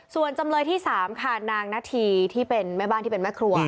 ส่วนจำเลยที่๓ค่ะนางนาธีที่เป็นแม่บ้านที่เป็นแม่ครัว